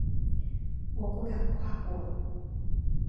我不敢跨过